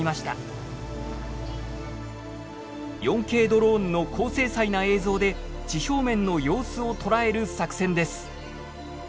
４Ｋドローンの高精細な映像で地表面の様子を捉える作戦です。